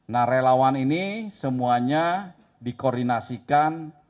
nah relawan ini semuanya dikoordinasikan